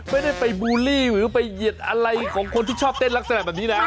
ไม่ได้ไปบูลลี่หรือไปเหยียดอะไรของคนที่ชอบเต้นลักษณะแบบนี้นะ